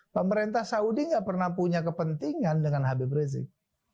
pemerintah saudi nggak pernah punya kepentingan dengan habib rizik